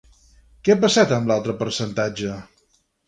Què ha passat amb l'altre percentatge?